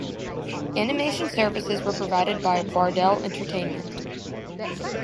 Animation services were provided by Bardel Entertainment.